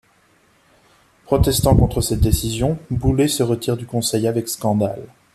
Protestant contre cette décision, Boulé se retire du conseil avec scandale.